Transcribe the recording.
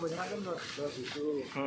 jadi gue pengen sih